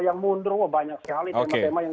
yang mundur banyak sekali tema tema yang